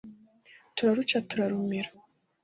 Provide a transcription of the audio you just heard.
Turaruca turarumira.